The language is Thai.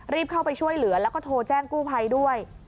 เข้าไปช่วยเหลือแล้วก็โทรแจ้งกู้ภัยด้วย